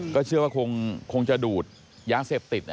ก็เชื่อว่าคงจะดูดยาเสพติด